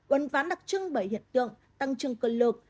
uấn ván đặc trưng bởi hiện tượng tăng trường cơ lực